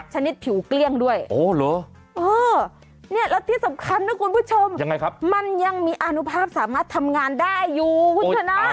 ชนิดผิวเกลี้ยงด้วยแล้วที่สำคัญนะคุณผู้ชมยังไงครับมันยังมีอานุภาพสามารถทำงานได้อยู่คุณชนะ